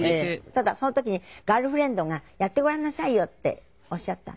ただその時にガールフレンドが「やってごらんなさいよ」っておっしゃったの？